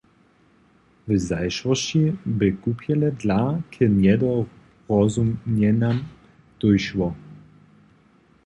W zašłosći bě kupjele dla k njedorozumjenjam dóšło.